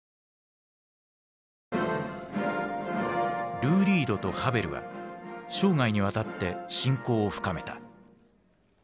ルー・リードとハヴェルは生涯にわたって親交を深めた。